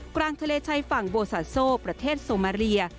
กลางทะเลชายฝั่งโบซาโซประเทศโซมาเรีย